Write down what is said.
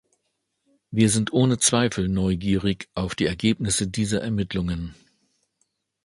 Wir sind ohne Zweifel neugierig auf die Ergebnisse dieser Ermittlungen.